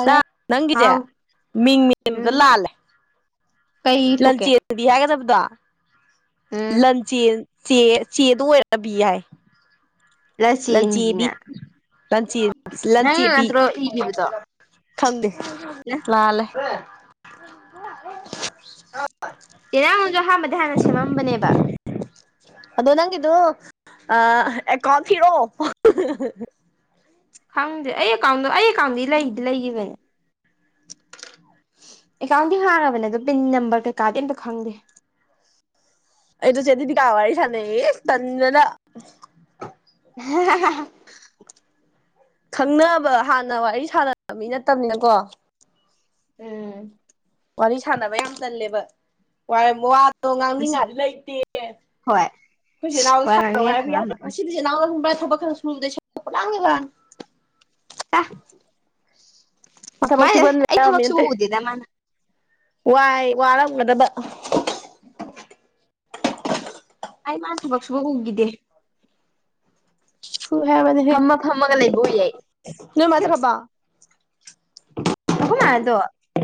ꯁꯥ ꯅꯪꯒꯤꯁꯦ ꯍꯥꯎ ꯃꯤꯡ ꯃꯤꯕꯗ ꯎꯝ ꯂꯥꯜꯂꯦ ꯀꯩ ꯊꯣꯛꯀꯦ ꯂꯟꯆꯦꯜꯗꯤ ꯍꯥꯏꯒꯗꯕꯗꯣ ꯎꯝ ꯂꯟꯆꯦꯜ ꯆꯦ ꯆꯦꯗ ꯑꯣꯏꯔꯕꯤ ꯌꯥꯏ ꯂꯟꯆ ꯄꯤ ꯂꯆꯦꯟꯒꯤꯅ ꯂꯟꯆ ꯂꯟꯆ ꯅꯪꯅ ꯑꯦ ꯄꯤ ꯅꯠꯇ꯭ꯔꯣ ꯏꯈꯤꯕꯗꯣ ꯈꯝꯗꯦ ꯂꯥꯜꯂꯦ ꯏꯔꯥꯡꯁꯨ ꯑꯍꯥꯟꯕꯗ ꯍꯥꯟꯅ ꯁꯦꯝꯃꯝꯕꯅꯦꯕ ꯑꯗꯣ ꯅꯪꯗꯨ ꯑ ꯑꯦꯀꯥꯎꯟ ꯊꯤꯔꯣ ꯈꯪꯗ꯭ꯔꯦ ꯑꯩ ꯑꯦꯀꯥꯎꯟꯗꯣ ꯑꯩꯀꯥꯎꯟꯗꯤ ꯂꯩꯗꯤ ꯂꯩꯈꯤꯕꯅꯦ ꯑꯦꯀꯥꯎꯟꯗꯤ ꯍꯥꯡꯔꯕꯅꯦ ꯑꯣ ꯄꯤꯟ ꯅꯝꯕꯔ ꯀꯩꯀꯥꯗꯤ ꯑꯇ ꯈꯪꯗꯦ ꯑꯩ ꯇ ꯆꯦꯗꯤꯗꯤ ꯀꯋꯥꯔꯁ ꯅ ꯇꯅ [inaudible] ꯈꯪꯅꯕ ꯍꯥꯟꯅ ꯋꯥꯔꯤ ꯁꯥꯟꯅꯕ ꯃꯤ ꯅꯠꯇꯕꯅꯤꯅꯀꯣ ꯎꯝ ꯋꯥꯔꯤ ꯁꯥꯟꯅꯕ ꯌꯥꯝ ꯆꯜꯂꯦꯕ ꯋꯥꯗꯣ ꯉꯥꯡꯅꯤꯡꯉꯥꯏꯗꯤ ꯂꯩꯇꯦ ꯍꯣꯏ ꯍꯧꯖꯤꯠ ꯍꯣꯏ ꯁꯥꯟꯣ ꯉꯥꯡꯅꯤꯡꯉꯥꯏ ꯍꯥꯏꯕꯤ ꯌꯥ ꯈꯪꯉꯝꯃꯔꯣꯏ ꯁꯤꯖꯤꯠ ꯅꯅꯥꯜ ꯍꯕ ꯊ ꯈꯔ ꯁꯗ ꯋꯥ ꯃ ꯃꯥꯁꯦ ꯃꯁꯨꯕꯟ ꯑꯩ ꯔꯝ ꯊꯕꯛ ꯁꯨꯕ ꯑꯠꯇ ꯎꯗꯦꯗ ꯃꯥꯅ ꯋꯥꯏ ꯋꯥꯔꯝꯕꯗꯕ ꯑꯩ ꯃꯥꯥꯟ ꯊꯕꯛ ꯁꯨꯕ ꯎꯈꯤꯗꯦ ꯍꯦ ꯃꯅꯤ ꯍꯦ ꯐꯝꯃ ꯐꯝꯃꯒ ꯂꯩꯕ ꯎꯏ ꯑꯩ ꯅ ꯃꯖꯦ ꯈꯕ ꯑꯈꯣꯏ ꯃꯥꯥꯟꯗꯣ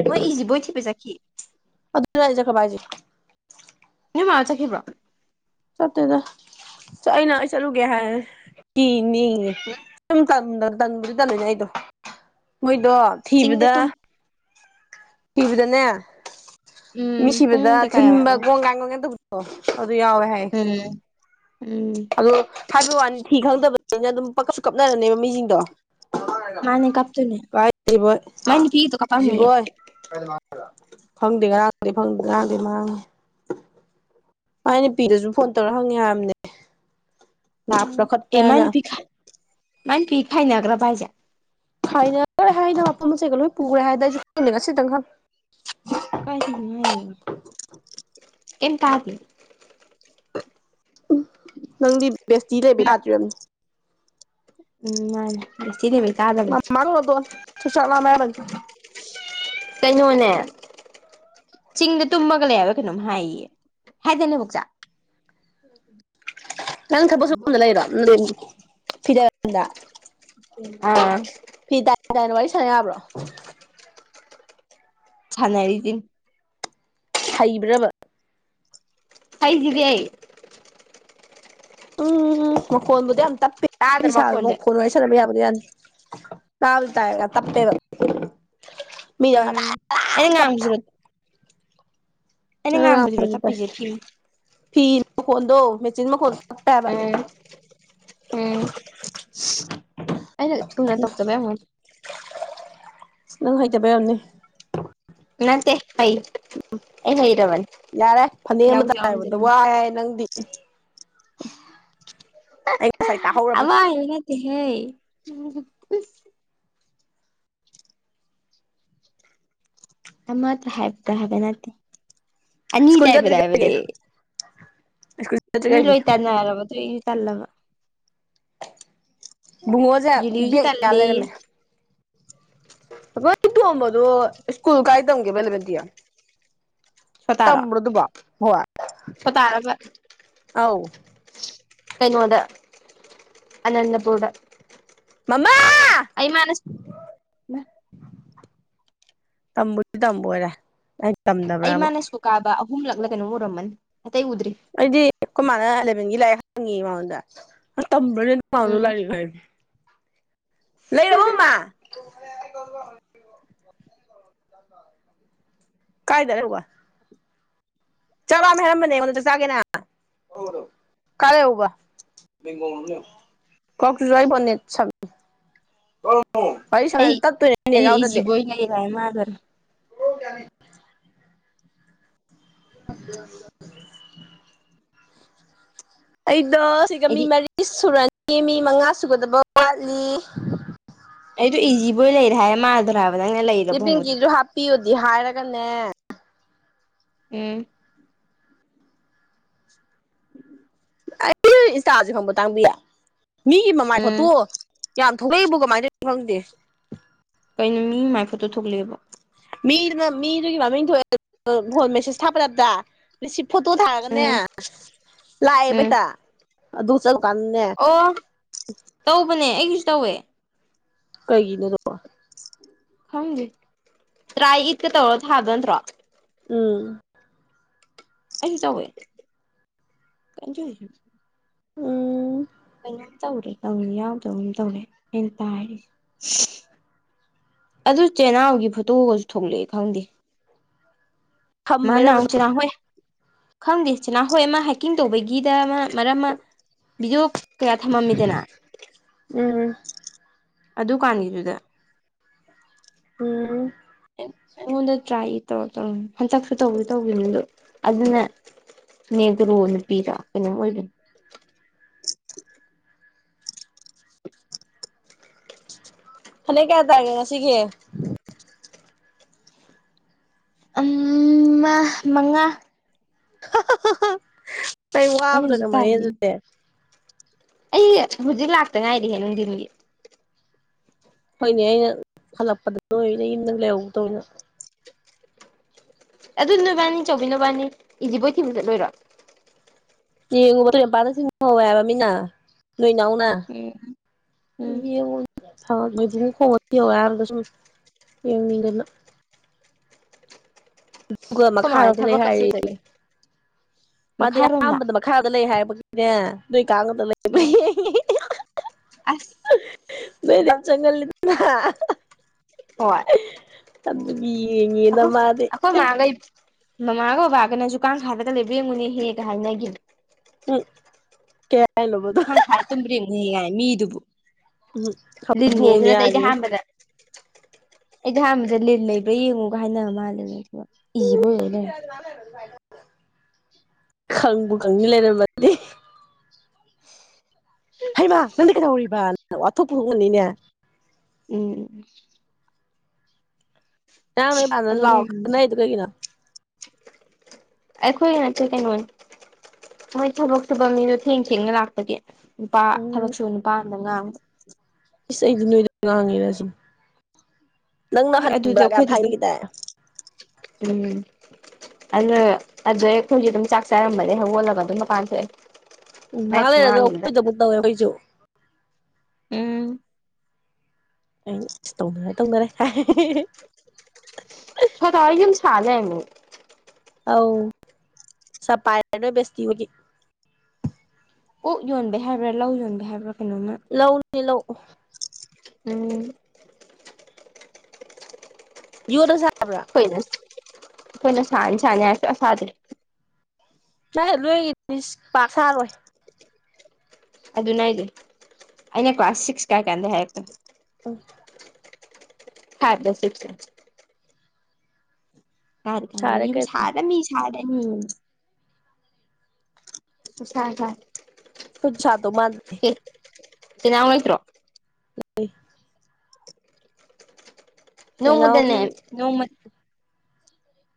ꯃꯣꯏ ꯏꯖꯤꯕꯣꯏ ꯊꯕꯦ ꯆꯈꯤ ꯖꯒꯄꯥꯏꯦ ꯅꯣꯏ ꯃꯥ ꯆꯠꯈꯤꯕꯕ꯭ꯔꯣ ꯁꯇꯗ ꯑꯩꯅ ꯆꯂꯨꯒ ꯍꯥꯏ ꯀꯅꯤ ꯆ ꯀ ꯇꯟꯕꯗꯤ ꯇꯜꯂꯣꯏꯅꯦ ꯑꯩꯗꯣ ꯃꯣꯏꯗꯣ ꯆꯤꯡꯗ ꯊꯤꯕꯗ ꯇꯨꯝ ꯁꯤꯕꯗꯅꯦ ꯃꯤ ꯎꯝ ꯁꯤꯕꯗ ꯄꯨꯡ ꯀꯩꯀꯥ ꯊꯤꯟꯕ ꯌꯥꯎꯋꯦꯕ ꯀꯣꯡꯒꯥꯏꯒꯒ ꯇꯧꯕ ꯑꯣ ꯑꯗꯨ ꯌꯥꯎꯋꯦ ꯍꯥꯏ ꯎꯝ ꯎꯝ ꯑꯗꯣ ꯍꯥꯏꯕ ꯋꯥꯅꯤ ꯊꯤ ꯈꯪꯗꯕꯅꯤꯅ ꯑꯗꯨꯝ ꯄꯁꯨ ꯀꯞꯅꯔꯅꯦꯕ ꯃꯤꯁꯤꯡꯗꯣ ꯃꯥꯅꯦ ꯀꯞꯇꯣꯏꯅꯦ ꯃꯥꯏ ꯅꯨꯄꯤꯒꯤꯗꯣ ꯀꯞꯄꯝꯅꯤꯌꯦ ꯀꯥꯏꯕꯣꯏ ꯐꯪꯗꯦ ꯉꯔꯥꯡꯗꯤ ꯐꯪꯗ ꯉꯥꯡꯗꯤ ꯃꯥꯡꯉꯤ ꯃ ꯅꯨꯄꯤꯗꯁꯨ ꯐꯣꯟ ꯇꯧꯔ ꯍꯪꯉꯦ ꯍꯥꯏꯔꯝꯅꯦ ꯎꯝ ꯑꯦ ꯃꯅꯤꯕꯤ ꯃꯅꯤꯄꯤ ꯈꯥꯏꯅꯒ꯭ꯔ ꯏꯖꯦ ꯍꯥꯏꯅꯦ ꯍꯥꯏꯅ ꯃꯐꯝ ꯃꯆꯩꯒ ꯂꯣꯏ ꯄꯨꯈ꯭ꯔꯦ ꯍꯥꯏꯅ ꯑꯩꯁꯨ ꯈꯒ ꯁꯤꯇꯪ ꯀꯔꯤꯉ ꯑꯦꯟ ꯇꯥꯗ ꯎ ꯅꯪꯗꯤ ꯕꯦꯁꯇꯤ ꯂꯩꯕ ꯌꯥꯗ꯭ꯝꯅꯤ ꯎꯝ ꯃꯥ ꯁ ꯏꯅꯦꯕ ꯃꯃꯥꯗꯣꯟ [inaudible] ꯀꯩꯅꯣꯅꯦ ꯆꯤꯡꯗ ꯇꯨꯝꯃꯒ ꯂꯩꯕ ꯀꯩꯅꯣꯝ ꯍꯥꯏꯌꯦ ꯍꯥꯏꯗꯅꯦꯕꯨꯛꯆꯥꯥ ꯑꯣ ꯅꯪ ꯊꯄ ꯁꯗ ꯂꯩꯔꯣ ꯐꯤꯗꯗ ꯑꯥ ꯌꯥꯕ꯭ꯔꯣ ꯆꯅ ꯍꯥꯏꯔꯤꯗꯤ ꯍꯩꯕ꯭ꯔꯕ ꯐꯥꯏꯚ ꯖꯤꯔꯤ ꯑꯩ ꯎꯝ ꯃꯈꯣꯟꯕꯨꯗꯤ ꯌꯥꯝ ꯇꯥꯗ꯭ꯔ ꯇꯞꯄꯤꯦ ꯁꯥꯕ ꯃꯈꯣꯟꯁꯦ ꯃꯈꯣꯟ ꯋꯥꯔꯤ ꯁꯥꯟꯅꯕ ꯌꯥꯝ ꯀꯥ ꯇꯑ ꯇꯦꯒ ꯃꯤ ꯑꯅ ꯀꯝꯁꯨꯨꯔ ꯑꯣꯗ ꯐꯤ ꯐꯤ ꯃꯈ ꯈꯣꯗꯣ ꯃꯦꯆꯅ ꯃꯈ ꯈꯣ ꯑꯞꯇꯕ ꯎꯝ ꯎꯝ ꯑꯩꯅ ꯊꯅ ꯇꯣꯛꯗꯕ ꯑꯃꯣꯟ ꯅꯪ ꯍꯩꯇꯕ ꯌꯥꯝꯅꯤ ꯅꯠꯇꯦ ꯍꯩ ꯎꯝ ꯑꯩ ꯍꯩꯔꯕꯅꯤ ꯌꯥꯔꯦ ꯐꯅꯦꯛ ꯌꯥꯎꯁꯨ ꯑꯃꯇ ꯌꯥꯎꯔꯝꯗꯦ ꯍꯥꯏꯕꯗ ꯅꯪ ꯋꯥ ꯌꯥ ꯅꯪꯗꯤ ꯑꯩ ꯉꯁꯥꯏ ꯇꯥꯍꯧꯔꯝꯃꯤ ꯑꯋꯥ ꯏꯩꯅꯗꯤ ꯍꯦ ꯃꯇ ꯍꯥꯏꯕꯗ ꯍꯥꯏꯕ ꯅꯠꯇꯦ ꯑꯅꯤꯗꯤ ꯁ꯭ꯀꯨꯜ ꯍꯥꯏꯕꯗ ꯍꯥꯏꯕꯗ ꯆꯠꯇ꯭ꯔꯤꯉꯩꯒꯤ ꯁ꯭ꯀꯨꯜ ꯃꯤ ꯆꯠꯇ꯭ꯔꯤꯉꯩꯒꯤ ꯂꯣꯏ ꯇꯥꯟꯅꯔꯕ ꯑꯗꯨ ꯇꯜꯂꯒ ꯕꯨꯡꯉꯣꯁꯦ ꯖꯤꯂꯤꯁꯨ ꯕꯦꯛ ꯃꯌꯥ ꯇꯜꯂꯤ ꯂꯩꯔꯝꯃꯦ ꯑꯗꯨꯣ ꯏꯁ꯭ꯀꯨꯜ ꯀꯥꯏꯗꯣꯡꯒꯦ ꯄꯂ ꯗꯤꯌꯥ ꯇ ꯁꯣꯇꯥꯔꯣ ꯃꯔꯗꯨꯕ ꯁꯣꯇꯥꯔꯕ ꯑꯥꯎ ꯀꯩꯅꯣꯗ ꯑꯅꯟꯗꯄꯨꯔꯨꯔ ꯃꯃꯥ ꯇꯝꯕꯨꯇ ꯇꯝꯕꯨꯔꯦ ꯑꯩ ꯃꯥꯅꯁꯨ ꯀꯥꯕ ꯑꯍꯨꯝꯂꯛꯂ ꯀꯩꯅꯣ ꯎꯔꯝꯃꯅꯤ ꯑꯩꯗꯤ ꯀꯣꯏꯃꯥꯟꯅ ꯑꯦꯂꯕꯦꯟꯒꯤ ꯂꯥꯏꯔꯤꯛ ꯍꯪꯉꯤ ꯃꯉꯣꯟꯗ ꯇꯝꯕ꯭ꯔ ꯅꯉꯥꯎꯅ ꯎꯝ ꯂ ꯈ ꯂꯩꯔꯕꯃꯣꯃ ꯀꯥꯏꯗꯔꯣꯒ ꯆꯕ ꯃ ꯍꯅꯦ ꯆ ꯆꯒꯦꯅ ꯀꯔꯦ ꯎꯕ ꯀ ꯁ ꯄꯩꯁ ꯑꯩ ꯇꯠ ꯇꯨꯗꯤ ꯑꯩꯗꯤ ꯌꯥꯎꯗꯗꯤꯦ ꯏꯖꯤꯕꯣꯏ ꯂꯩꯔꯦ ꯍꯥꯏ ꯃꯥꯜꯂꯨꯔꯦ ꯍ ꯌꯥꯅꯤ [unintelligible] ꯑꯩꯗꯣ ꯁꯤꯒ ꯃꯤ ꯑꯩꯗꯤ ꯃꯔꯤ ꯁꯨꯔꯦꯟ ꯃꯤ ꯃꯤ ꯃꯉꯥ ꯁꯨꯒꯗꯕ ꯋꯥꯠꯂꯤ ꯑꯩꯣ ꯏꯖꯤꯕꯣꯏ ꯂꯩꯔꯤ ꯊꯦ ꯃꯥꯗꯔ ꯁꯤ ꯄꯤꯡꯒꯤꯗꯨ ꯍꯥꯞꯄꯤꯌꯨꯗꯤ ꯍꯥꯏꯔꯒꯅꯦ ꯑꯦ ꯑꯩ ꯏꯟꯁꯇꯥꯁꯦ ꯍꯪꯕ ꯇꯥꯡꯕꯤꯌꯦ ꯃꯤꯒꯤ ꯃꯃꯥꯏ ꯎꯝ ꯐꯣꯠꯇꯣ ꯌꯥꯝ ꯊꯣꯛꯂꯛꯩꯕꯨ ꯀꯃꯥꯏꯅꯣ ꯈꯪꯗꯦ ꯀꯩꯅꯣ ꯃꯤ ꯃꯥꯏ ꯐꯠꯇꯣ ꯊꯣꯛꯂꯛꯦꯕ ꯃꯤꯗꯨꯅ ꯃꯤꯗꯨꯒꯤ ꯃꯃꯤꯡꯑꯦ ꯐꯣꯟ ꯃꯦꯁꯦꯁ ꯊꯥꯄꯂꯕ꯭ꯔ ꯁꯤ ꯐꯣꯇꯣ ꯊꯥꯔꯒꯅꯦ ꯎꯝ ꯎꯝ ꯂꯥꯛꯑꯦꯕꯩꯇ ꯑꯗꯨ ꯆꯠꯂ ꯀꯟꯅ ꯅꯦ ꯏꯪꯂꯤꯁ ꯇꯧꯋꯦ ꯀꯩꯒꯤꯅ ꯊ ꯈꯪꯗꯦ ꯇꯔꯥ ꯏꯠꯀ ꯇꯧꯔꯣ ꯊꯥꯕ ꯅꯠꯇ꯭ꯔꯣ ꯎꯝ ꯀꯩꯅ ꯆꯎ ꯀ ꯎꯝ ꯀꯩꯅꯣꯝ ꯇꯧꯔꯦ ꯇꯧꯅꯤ ꯌꯥꯎꯗꯕꯝ ꯇꯧꯔꯦ ꯑꯩꯅ ꯇꯥꯔꯤꯁꯦ ꯑꯗꯨ ꯆꯦꯅꯥꯎꯒꯤ ꯐꯣꯇꯣꯒꯁꯨ ꯊꯣꯛꯂꯛꯑꯦ ꯈꯪꯗꯦ ꯃꯥꯅ ꯑꯃꯨꯛ ꯊꯝꯕꯩꯔꯕꯗꯣ ꯆꯤꯅꯥꯍꯣꯏ ꯈꯪꯗꯦ ꯆꯦꯅꯥꯍꯣꯏ ꯑꯃ ꯍꯥꯏꯛꯀꯤꯡ ꯇꯧꯕꯒꯤꯗ ꯑꯃ ꯃꯔꯝ ꯚꯗꯤꯑꯣ ꯀꯌꯥ ꯊꯝꯃꯝꯃꯤꯗꯅ ꯎꯝ ꯑꯗꯨ ꯀꯥꯟꯒꯤꯗꯨꯗ ꯎꯝ ꯑꯩꯉꯣꯟꯗ ꯇ꯭ꯔꯥꯏ ꯇꯧꯔꯣ ꯇꯧꯔ ꯍꯟꯇꯛꯁꯨ ꯇꯧ ꯇꯧꯒꯤꯕꯅꯤ ꯑꯗꯨ ꯑꯗꯨꯅꯦ ꯅꯗꯔꯣꯅ ꯄꯤꯔ ꯀꯩꯅ [unintelligible] [inaudible] ꯐꯅ‌ꯦꯛ ꯀꯌꯥ ꯇꯥꯏꯒ‌ꯦ ꯉꯁꯤꯒꯤ ꯎꯝ ꯃꯉꯥ ꯑꯩ ꯑꯩꯅ ꯋꯥꯕꯗ ꯍꯧꯖꯤꯛ ꯑꯗꯨꯃꯥꯏ ꯇꯥꯏꯁꯤꯅ ꯑꯗꯨꯗꯤ ꯑꯩ ꯍꯧꯖꯤꯛ ꯂꯥꯛꯇ ꯉꯥꯏꯔꯤꯍ‌ꯦ ꯅꯨꯡꯊꯤꯟꯒꯤ ꯍꫭꯏꯅꯦ ꯑꯩꯅ ꯍꯜꯂꯛꯄꯗ ꯅꫭꯏ ꯅꯌꯨꯗ ꯂꯩꯍꯧꯗꯧꯅ ꯑꯗꯨ ꯅꯣꯏꯕꯥꯅꯤ ꯆꯥꯎꯧꯕꯤꯅꯕꯅꯕꯅꯤ ꯏꯖꯤꯕꯣꯏ ꯊꯤꯕ ꯆꯠꯂꯨꯏꯔꯣ ꯌꯥꯅ [unintelligible] ꯅꯣꯏ ꯅꯥꯎꯅ ꯎꯝ ꯎꯝ ꯍꯥ ꯃꯣꯏꯕꯨꯡ ꯈꯣꯡꯉ ꯊꯤ ꯍꯥꯏꯕꯗꯨꯗ ꯁꯨꯝ ꯌꯦꯡꯅꯤꯡꯗꯅ ꯑꯗꯨꯒ ꯈꯣꯏ ꯃꯈꯥ ꯃꯥ ꯍꯣꯏ ꯑꯃꯣꯝꯇ ꯂꯩ ꯊꯕꯛꯀ ꯍꯥꯏꯔꯤ ꯁꯨꯗꯒꯩ [unintelligible] ꯃꯥꯗꯤ ꯃꯈꯥꯔꯣꯝꯗ ꯑꯍꯥꯟꯕꯗ ꯃꯈꯥꯗ ꯂꯩ ꯍꯥꯏꯕꯒꯤꯅꯦ ꯅꯣꯏ ꯀꯥꯡꯕꯗ [unintelligible] ꯂꯩꯕ ꯎꯝ ꯑꯁ ꯅꫭꯏꯗ ꯌꯥꯝꯝ ꯆꯪꯒꯜ ꯂꯤꯗꯅ ꯍꫭꯏ ꯌꯦꯡꯉꯦꯅ ꯑꯈꯣ ꯃꯥꯗꯤ ꯑꯈꯣꯏ ꯃꯒ ꯃꯃꯥꯒ ꯕꯥꯒꯅꯁꯨ ꯀꯥꯡꯈꯥꯗꯒ ꯂꯩꯕꯔ ꯌ‌ꯦꯡꯉꯨꯅꯦꯍꯦ ꯍꯥꯏꯅꯈꯤꯕꯅ‌ꯦ ꯎ ꯀꯌꯥ [unintelligible] ꯀꯥꯡ ꯈꯥꯗ ꯇꯨꯝꯕ꯭ꯔꯥ ꯌ‌ꯦꯡꯉꯨꯅ‌ꯦ ꯃꯤꯗꯨꯕꯨ ꯎꯝ ꯂꯤꯟꯅ‌ꯦꯖꯨ ꯍꯧꯗꯣꯡꯅꯤ ꯅꯠꯇ‌ꯦ ꯅꯠꯇ ꯑꯩꯗꯤ ꯍꯥꯏꯔꯤ ꯑꯍꯥꯟꯕꯗ ꯑꯩꯗꯤ ꯑꯍꯥꯟꯕꯗ ꯂꯤꯟ ꯂꯩꯕ꯭ꯔꯥ ꯌꯦꯡꯉꯨꯒ ꯍꯥꯏꯅꯕ ꯃꯥꯜꯂꯦ ꯑꯗꯨꯒ ꯏꯕꯨ ꯑꫭꯏ‌ꯂꯩꯔꯝꯃꯤ ꯈꯪꯕꯨ ꯈꯪꯅꯤ ꯂꯩꯔꯝꯃꯗꯤ ꯍꯩꯃ ꯅꯪꯗꯤ ꯀꯩꯗꯧꯔꯤꯕꯅ ꯋꯥꯊꯣꯛ ꯄꯨ ꯊꫭꯛꯑꯝꯒꯅꯤꯅꯦ ꯎꯝ ꯌꯥꯥꯟ ꯑꯗꯨ ꯂꯩꯔꯝꯗ꯭ꯔꯦ ꯂꯥꯛꯑꯣꯗꯨ ꯀꯩꯅ [unintelligible] ꯑꯩꯈꯣꯏꯅꯠꯇ ꯀꯩꯅꯣ ꯃꯣꯏ ꯊꯕꯛ ꯁꯨꯕ ꯃꯤꯗꯣ ꯊꯦꯡ ꯊꯦꯡꯅ ꯂꯥꯛꯄꯒꯤ ꯅꯨꯄꯥ ꯎꯝ ꯊꯕꯛꯁꯨ ꯅꯨꯄꯥ ꯑꯝꯗ ꯉꯥꯡꯕ ꯏꯁ ꯑꯩꯗꯤ ꯅꫭꯏꯗ ꯉꯥꯡꯔꯤ ꯁꯤꯅꯤ ꯅꯪꯅ ꯑꯦ ꯑꯗꯨꯗ ꯍꯟꯕ꯭ꯔꯥ ꯀꯥ ꯌꯥꯝ ꯑꯩꯈꯣꯏꯗ ꯑꯗꯨꯝ ꯍꯥꯏꯈꯤ ꯗꯥꯏ ꯑꯩꯅ ꯑꯗꯩ ꯍꯈꯣꯏꯖꯨ ꯑꯗꯨꯝ ꯆꯥꯛ ꯆꯥꯔꯝꯕꯅꯦ ꯍꯧꯒꯣꯜꯂꯒ ꯑꯗꯨꯝ ꯃꯀꯥꯟ ꯊꯣꯛꯑꯦ ꯎꯝ ꯃꯥꯏ ꯉꯩꯍꯥꯛ ꯂꯩꯔꯒ ꯈꯨꯉꯥꯡꯗꯨꯗ ꯑꯈꫭꯏꯗ ꯑꯍꯨꯛ ꯇꯧꯋ‌ꯦ ꯑꯣꯈꫭꯏꯁꯨ ꯎꯝ ꯑꯁ ꯇꯧꯅꯔꯦ ꯇꯧꯅꯔꯦ ꯁꫭꯗꯥ ꯍꫭꯏ ꯌꯨꯝ ꯁꯥ ꯂꯩꯔꯝꯃ‌ꯦꯅ‌ꯦ ꯑꯧ ꯁꯄꯅ ꯦꯁ ꯊꯕꯒꯤ ꯑꯣꯛ ꯌꯣꯟꯕꯦ ꯍꯥꯏꯕ꯭ꯔꯥ ꯂꯧ ꯌꯣꯟꯕ ꯍꯥꯏꯕ꯭ꯔꯥ ꯀꯩꯅꯣꯝꯃ ꯂꯧꯅꯤ ꯂꯧ ꯎꯝ ꯌꯗꯁ [unintelligible] ꯑꯈꫭꯏꯅ ꯑꯈꫭꯏꯅ ꯁꯥꯅꯤ ꯁꯥꯅꯤ ꯍꯥꯏꯔꯥ ꯁꯨꯡꯁꯥ ꯁꯥꯗ‌ꯦ ꯁꯗ ꯂꯣꯏꯒꯤ ꯃꯤꯅꯤꯁ ꯄꯥꯛ ꯁꯥꯔꯣꯏ [unintelligible] ꯑꯗꯨꯅ‌ꯦ ꯍꯥꯏꯖ‌ꯦ ꯑꯩꯅ ꯀ꯭ꯂꯥꯁ ꯁꯤꯛꯁ ꯀꯥꯏ ꯀꯥꯟꯗꯩ ꯍꯥꯏꯔꯛꯄꯅ‌ꯦ [unintelligible] ꯐ꯭ꯋꯥꯞ ꯂꯥ ꯁꯤꯛꯁ ꯂꯥ ꯀꯔ ꯁꯥꯔꯦ ꯀꯥꯟꯗꯩ ꯌꯨꯝ ꯀꯩꯅꯣ ꯁꯥꯔꯗꯃꯤ ꯁꯥꯔꯗꯃꯤ ꯁ ꯊ [unintelligible] ꯐꯨꯠ ꯁꯥꯗ ꯃꯥꯥꯟ ꯅ ꯉꯁꯣ ꯂꯩ ꯅꯣꯡꯃꯗꯅꯦ ꯄꯦꯅꯥꯎꯗꯤ ꯅꯣꯡꯃ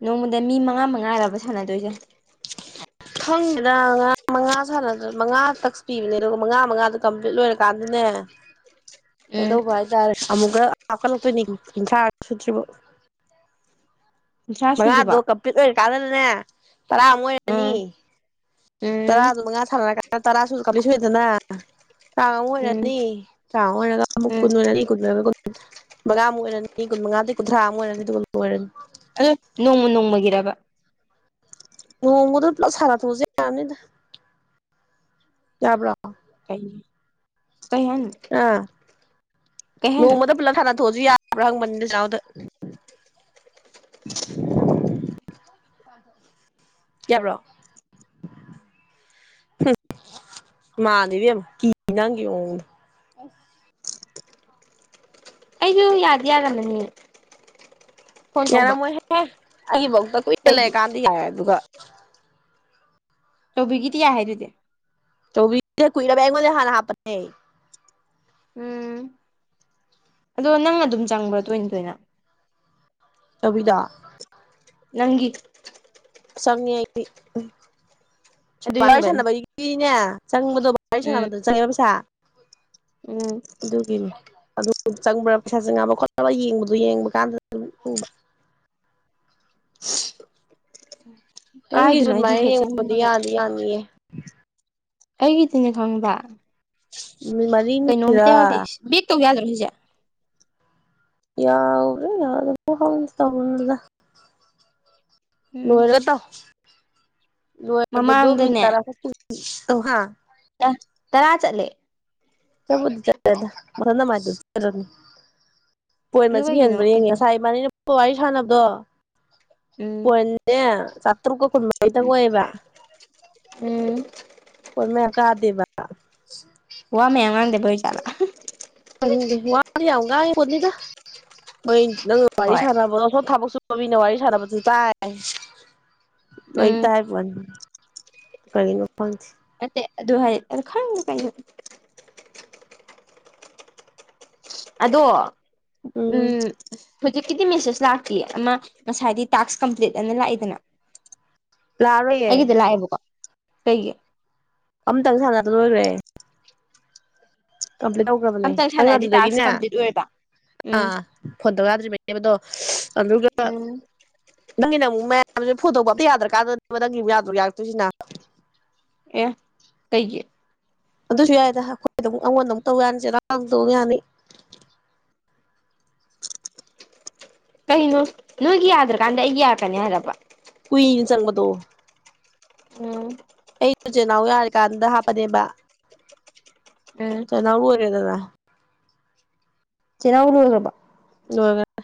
ꯅꯣꯡꯃꯗ ꯃꯤ ꯃꯉꯥ ꯃꯉꯥꯔꯕ ꯁꯥꯟꯅꯗꯣꯏꯁꯦ ꯈꯪ ꯁꯤꯅ ꯉꯔꯥꯡ ꯃꯉꯥ ꯁꯥꯟꯅꯗ ꯃꯉꯥ ꯇꯛꯁ ꯄꯤꯕꯅꯦ ꯑꯗꯨꯒ ꯃꯉꯥ ꯃꯉꯥꯗꯨ ꯀꯝꯄ꯭ꯂꯤꯠ ꯂꯣꯏꯔꯀꯥꯟꯗꯅꯦ [unintelligible] ꯎꯝ ꯀꯩꯗꯧꯕ ꯍꯥꯏꯇꯥꯔꯦ ꯑꯃꯨꯛꯀ ꯍꯥꯞꯀꯠꯂꯛꯇꯣꯏꯅꯤ ꯀꯟꯊ꯭ꯔꯥ ꯁꯨꯇ꯭ꯔꯤꯕꯧ ꯀꯨꯟꯊ꯭ꯔꯥ ꯁꯨꯗ꯭ꯔꯤꯕꯣ ꯃꯉꯥꯗꯣ ꯀꯝꯄꯤꯠꯔ ꯀꯥꯟꯗꯅꯦ ꯇꯔꯥ ꯑꯃꯨꯛ ꯎꯝ ꯑꯣꯏꯔꯅꯤ ꯎꯝ ꯇꯔꯥꯗꯨ ꯃꯉꯥ ꯁꯥꯟꯅꯔ ꯇꯔꯥ ꯁꯨ ꯀꯝꯄ꯭ꯂꯤꯠ ꯁꯨꯏꯗꯅ ꯇ꯭ꯔꯥꯉꯥꯃꯩꯛ ꯎꯝ ꯑꯣꯏꯔꯅꯤ [unintelligible] ꯑꯃꯨꯛ ꯎꯝ ꯀꯨꯟ ꯑꯣꯏꯔꯅꯤ ꯀꯨꯟ ꯂꯣꯏꯔꯒ [unintelligible] ꯃꯉꯥꯃꯨꯛ ꯑꯣꯏꯔꯅꯤ ꯀꯨꯟꯃꯉꯥꯗꯒꯤ ꯀꯨꯟꯊ꯭ꯔꯥ ꯑꯃꯨ ꯑꯣꯏꯔꯅꯤ ꯑꯗꯨꯒ ꯂꯣꯏꯔꯅꯤ ꯑꯗꯣ ꯅꯣꯡꯃ ꯅꯣꯡꯃꯒꯤꯔꯕ ꯅꯣꯡꯃꯗ ꯄꯨꯂꯞ ꯁꯥꯟꯅꯊꯣꯛ ꯑꯁꯨ ꯌꯥꯅꯤꯗ ꯌꯥꯕ꯭ꯔꯣ ꯀꯩ ꯍꯥꯏꯅꯣ ꯑꯥ ꯀꯩ ꯍꯥꯏꯅꯣ ꯅꯣꯡꯃꯗ ꯄꯨꯂꯞ ꯁꯥꯟꯅ ꯊꯣꯛꯑꯁꯨ ꯌꯥꯕ꯭ꯔꯥ ꯍꯪꯕꯅꯤꯗ ꯆꯦ ꯅꯥꯎꯗ [unintelligible] ꯌꯥꯕ꯭ꯔꯣ ꯍꯨꯝ ꯃꯥꯜꯂꯤ ꯏꯕꯦꯝꯃ ꯀꯤ ꯅꯪꯒꯤ ꯃꯑꯣꯡ ꯑꯩꯁꯨ ꯌꯥꯗꯤ ꯌꯥꯔꯝꯃꯅꯤ ꯐꯣꯟ ꯇꯧꯕ ꯌꯥꯔꯝꯃꯣꯏꯍꯦ ꯑꯩꯒꯤꯐꯧꯗ ꯀꯨꯏꯅ ꯀꯩꯒꯤ ꯂꯩꯔꯀꯥꯟꯗꯤ ꯌꯥꯏ ꯑꯗꯨꯒ ꯆꯧꯕꯤꯒꯤꯗꯤ ꯌꯥꯏ ꯍꯥꯏꯗꯨꯗꯤ ꯆꯧꯕꯤꯒ ꯀꯨꯏꯔꯝꯅꯦ ꯑꯩꯉꯣꯟꯗꯩ ꯍꯥꯟꯅ ꯍꯥꯞꯄꯅꯦ ꯎꯝ ꯑꯗꯣ ꯅꯪ ꯑꯗꯨꯝ ꯆꯪꯕ꯭ꯔꯣ ꯇꯣꯏꯅ ꯇꯣꯏꯅ ꯆꯧꯕꯤꯗꯣ ꯅꯪꯒꯤ ꯆꯪꯉꯦ ꯑꯩꯗꯤ ꯑꯗꯨ [unintelligible] ꯋꯥꯔꯤ ꯌꯨꯝꯒꯅꯤ ꯁꯥꯟꯅꯕꯩꯗꯤꯅꯦ ꯆꯪꯕꯗꯣ ꯋꯥꯔꯤ ꯎꯝ ꯁꯥꯟꯅꯕꯗ ꯆꯪꯉꯦꯕ ꯄꯩꯁꯥ ꯎꯝ ꯑꯗꯨꯒꯤꯅꯤ ꯑꯗꯨ ꯆꯪꯕ꯭ꯔꯥ ꯄꯩꯁꯥ ꯆꯪ ꯉꯕ ꯈꯣꯠꯄꯒ ꯌꯦꯡꯕꯗꯨ ꯌꯦꯡꯕ ꯀꯥꯟꯗ ꯑꯗꯨꯝ [unintelligible] ꯀꯥꯏꯗꯅꯣ ꯅꯪꯒꯤꯁꯨ ꯑꯩꯗꯤ ꯑꯗꯨꯃꯥꯏꯅ ꯍꯦꯛ ꯌꯦꯡꯕꯗꯤ ꯆꯪꯕꯒ ꯌꯥꯗꯤ ꯌꯥꯅꯤꯌꯦ ꯑꯩꯒꯤꯗꯤꯅꯦ ꯈꯪꯕ꯭ꯔꯥ ꯅꯨꯃꯤꯠ ꯃꯔꯤꯅꯤꯔꯥ ꯀꯩꯅꯣꯝꯇ ꯌꯥꯎꯗꯦ ꯕꯦꯛꯇꯧ ꯌꯥꯗ꯭ꯔꯣ ꯁꯤꯁꯦ ꯌꯥꯕ ꯌꯥꯗꯕ꯭ꯔ ꯈꯪꯗꯦ ꯇꯧꯅꯨꯗ ꯎꯝ ꯂꯣꯏꯔꯒ ꯇꯧ ꯂꯣꯏꯕꯗꯣ ꯃꯤꯟ ꯃꯃꯥꯡꯗꯅꯦ [unintelligible] ꯇꯔꯥ ꯆꯠꯂꯦ [unintelligible] ꯄꯣꯏ ꯑꯗꯨ ꯃꯁꯤꯡ ꯀꯩꯒꯤꯅꯣ ꯍꯟꯕ꯭ꯔ ꯌꯦꯡꯒꯦ ꯀꯩꯅꯣ ꯉꯁꯥꯏ ꯏꯕꯦꯅꯤꯅ ꯋꯥꯔꯤ ꯁꯥꯟꯅꯕꯗꯣ ꯎꯝ ꯄꯣꯏꯟꯅꯦ ꯇꯔꯨꯛꯀ ꯀꯨꯟꯃꯔꯤ ꯇꯪ ꯑꯣꯏꯌꯦꯕ ꯎꯝ ꯄꯣꯏꯟ ꯃꯌꯥꯝ ꯀꯥꯗꯦꯕ ꯋꯥ ꯃꯌꯥꯝ ꯉꯥꯡꯗꯕꯩ ꯑꯣꯏꯖꯥꯠꯂꯣ [unintelligible] ꯋꯥꯗꯤ ꯌꯥꯝ ꯉꯥꯏꯉꯤꯄꯣꯠꯅꯤꯗ ꯃꯩ ꯅꯪ ꯋꯥꯔꯤ ꯍꯣꯏ ꯁꯥꯟꯅꯕꯗꯣꯁꯣ ꯊꯕꯛꯁꯨ ꯀꯣꯕꯤꯅ ꯋꯥꯔꯤ ꯁꯥꯟꯅꯕꯁꯨ ꯇꯥꯏ ꯂꯣꯏ ꯎꯝ ꯇꯥꯏꯄꯣꯠꯅꯤ ꯀꯩꯅꯣ ꯈꯪꯗꯦ ꯅꯠꯇꯦ ꯑꯗꯨ ꯍꯥꯏ ꯑꯗꯨ ꯈꯪꯗꯦ ꯀꯩꯅꯣ ꯑꯗꯣ ꯎꯝ ꯍꯨꯖꯤꯛꯀꯤꯗꯤ ꯃꯦꯁꯦꯁ ꯂꯥꯛꯇꯦ ꯑꯃ ꯉꯁꯥꯏꯗꯤ ꯇꯥꯛꯁ ꯀꯝꯄ꯭ꯂꯤꯠ ꯑꯅ ꯂꯥꯛꯏꯗꯅ ꯂꯥꯛꯑꯔꯣꯏꯌꯦ ꯑꯩꯒꯤꯗ ꯂꯥꯛꯑꯦꯕꯀꯣ ꯀꯩꯒꯤ ꯑꯝꯇꯪ ꯁꯥꯟꯅꯗ ꯂꯣꯏꯒ꯭ꯔꯦ ꯀꯝꯄ꯭ꯂ ꯇꯧꯈ꯭ꯔꯕꯅꯦ ꯑꯝꯇꯪ ꯅꯪ ꯁꯥꯟꯅꯔꯗꯤ ꯇꯥꯛꯁ ꯑꯗꯨꯗꯒꯤꯅꯦ ꯀꯝꯄ꯭ꯂꯤꯠ ꯑꯣꯏꯔꯕ ꯎꯝ ꯑꯥ ꯐꯣꯟꯠꯇꯧ ꯌꯥꯗ꯭ꯔꯤꯕꯅꯦꯕꯗꯣ ꯑꯗꯨꯒ ꯎꯝ ꯅꯪꯒꯤꯅ ꯑꯃꯨꯛ ꯃꯌꯥꯝꯁ ꯐꯣꯟꯊꯣꯛꯄ ꯑꯝꯇ ꯌꯥꯗ꯭ꯔꯀꯥꯟꯗꯅꯦꯕ ꯅꯪꯒꯤ ꯑꯃꯨꯛ ꯌꯥꯗ꯭ꯔꯣ ꯌꯥꯔꯛꯇꯣꯏꯁꯤꯅ ꯑꯦ ꯀꯩꯒꯤ ꯑꯗꯨꯁꯨ ꯌꯥꯏꯗ ꯑꯩꯈꯣꯏ ꯑꯗꯨꯝ ꯑꯩꯉꯣꯟꯗ ꯑꯃꯨ ꯇꯧ ꯌꯥꯅꯤ ꯆꯦꯅꯥꯎꯗꯃꯨꯛ ꯇꯧ ꯌꯥꯅꯤ ꯀꯩꯅꯣ ꯅꯣꯏꯒꯤ ꯌꯥꯗ꯭ꯔꯀꯥꯟꯗ ꯑꯩ ꯌꯥꯔꯛꯀꯅꯤ ꯍꯥꯏꯔꯕ ꯀꯨꯏꯅ ꯆꯪꯕꯗꯣ ꯎꯝ ꯏꯆꯤꯟ ꯏꯅꯥꯎ ꯌꯥꯔꯀꯥꯟꯗ ꯍꯥꯞꯄꯅꯦꯕ ꯎꯝ ꯆꯦꯅꯥꯎ ꯂꯣꯏꯔꯦꯗꯅ ꯆꯦꯅꯥꯎ ꯂꯣꯏꯒꯔꯕꯣ ꯂꯣꯏꯒꯔꯦ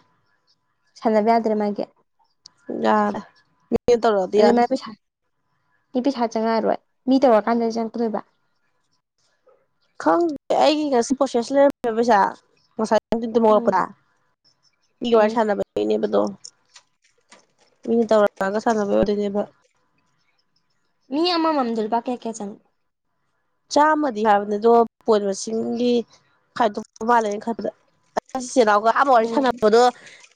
ꯁꯥꯟꯅꯅꯕ ꯌꯥꯗ꯭ꯔꯦ ꯃꯥꯒꯤ ꯌꯥ ꯃꯤ ꯇꯔꯗꯤ ꯌꯥ ꯅꯨꯄꯤ ꯁꯥ ꯆꯉꯛꯑꯔꯣꯏ ꯃꯤ ꯇꯧꯔꯀꯥꯟꯗ ꯆꯪꯉꯛꯀꯗꯣꯏꯕ ꯈꯪꯗꯦ ꯑꯩꯒꯤ ꯉꯁꯤ ꯄ꯭ꯔꯣꯁꯦꯁ ꯂꯩꯔꯝꯃꯦꯕ ꯄꯩꯁꯥ ꯉꯁꯥꯏ ꯎꯝ ꯃꯣꯛꯄ꯭ꯔꯥ ꯋꯥꯔꯤ ꯎꯝ ꯁꯥꯟꯅꯕꯅꯦꯕꯗꯣ ꯃꯤꯅ ꯇꯧꯔꯛꯑꯒ ꯁꯥꯟꯅꯕ ꯑꯣꯏꯗꯣꯏꯅꯦꯕ ꯃꯤ ꯑꯃꯥ ꯃꯝꯗꯜꯕ ꯀꯦ ꯀꯌꯥ ꯆꯪ ꯆꯥꯝꯃꯗꯤ ꯍꯥꯏꯕꯅꯤ ꯑꯗꯣ ꯄꯣꯏ ꯃꯁꯤꯡꯒꯤ ꯈꯥꯏꯗꯣꯛ ꯃꯥꯜꯂꯦꯅ ꯈꯟꯕꯗꯆꯅꯥꯎꯒ ꯑꯃ ꯋꯥꯔꯤ ꯎꯝ ꯁꯥꯟꯅꯕꯗꯣ